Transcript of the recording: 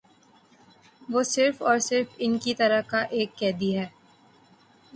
وہ صرف اور صرف ان کی طرح کا ایک قیدی ہے ا